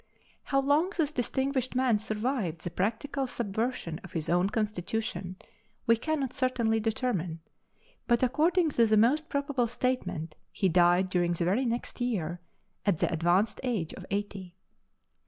How long this distinguished man survived the practical subversion of his own constitution, we cannot certainly determine; but according to the most probable statement he died during the very next year, at the advanced age of eighty.